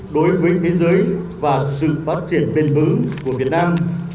đối với thế giới và sự phát triển bền vững của việt nam